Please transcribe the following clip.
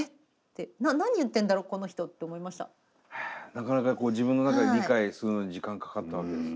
なかなかこう自分の中で理解するのに時間かかったわけですね。